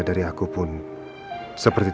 kayak nyuruh representing